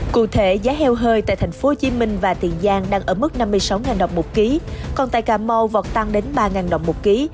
cụ thể giá heo hơi tại tp hcm và tiền giang đang ở mức năm mươi sáu đồng một ký còn tại cà mau vọt tăng đến ba đồng một ký